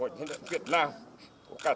khi nghe tin chủ tịch của fidel castro mất